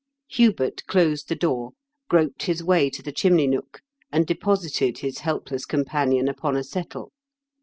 Hubert closed the door, groped his way to the chimney nook, and deposited his helpless companion upon a settle.